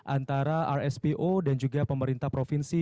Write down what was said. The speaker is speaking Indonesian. antara rspo dan juga pemerintah provinsi